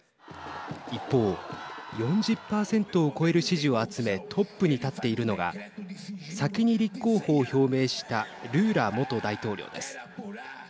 一方、４０％を超える支持を集めトップに立っているのが先に立候補を表明したルーラ元大統領です。